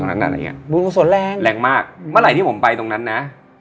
ตรงนั้นอะไรอย่างนี้บุญส่วนแรงแรงมากเมื่อไหร่ที่ผมไปตรงนั้นนะ